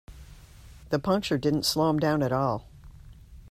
The puncture didn't slow him down at all.